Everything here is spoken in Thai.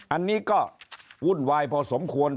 อันนี้ก็วุ่นวายพอสมควร